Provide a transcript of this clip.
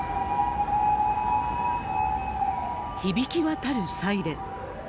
響き渡るサイレン。